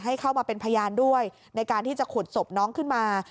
ให้เข้ามาเป็นพยานด้วยในการที่จะขุดศพน้องขึ้นมา